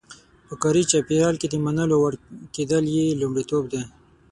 په کاري چاپېریال کې د منلو وړ کېدل یې لومړیتوب دی.